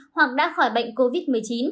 hoặc đã khỏi bệnh covid một mươi chín